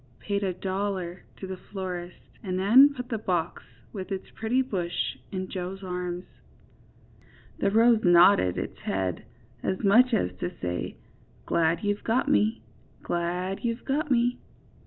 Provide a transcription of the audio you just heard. paid a dollar to the florist and then put the box, with its pretty bush in Joe's arms. The rose nodded its head, as much as to say: ^^Glad you've got me! glad you've got me!